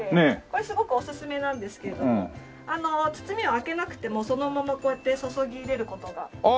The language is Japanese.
これすごくおすすめなんですけれども包みを開けなくてもそのままこうやって注ぎ入れる事ができるので。